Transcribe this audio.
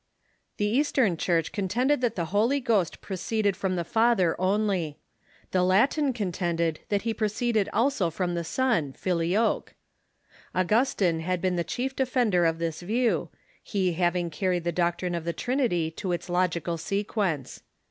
The Eastern Church contended that the Holy Ghost proceeded from the Father only. The Latin contended that he proceeded also from the Son {Filioque). Augustine had been the chief defender of this view, he having carried the doctrine of the Trinity to its logical sequence.